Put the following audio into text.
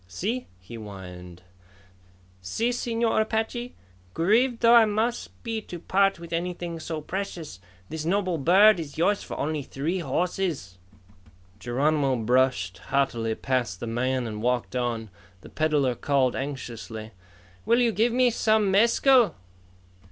"See?" he whined. "See, Señor Apache? Grieved though I must be to part with anything so precious, this noble bird is yours for only three horses." Geronimo brushed haughtily past the man and walked on. The peddler called anxiously, "Will you give me some mescal?"